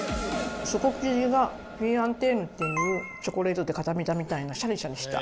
底き地がフィヤンティーヌっていうチョコレートでかためたみたいなシャリシャリした。